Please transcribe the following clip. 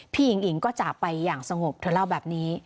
หญิงอิ๋งก็จากไปอย่างสงบเธอเล่าแบบนี้